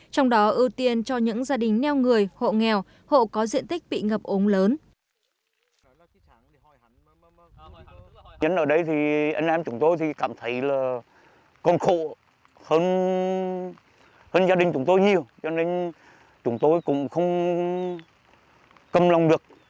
trong đó ưu tiên cho những gia đình neo người hộ nghèo hộ có diện tích bị ngập ống lớn